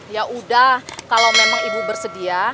yaudah kalau memang ibu bersedia